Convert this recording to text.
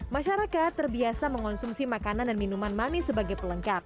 masyarakat terbiasa mengonsumsi makanan dan minuman manis sebagai pelengkap